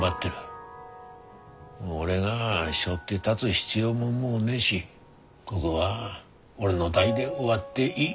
もう俺がしょって立づ必要ももうねえしこごは俺の代で終わっていい。